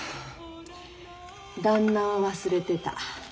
旦那は忘れてた。